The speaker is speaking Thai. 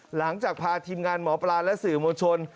หลังจากพาทีมงานหมอปลาและสื่อมวลชน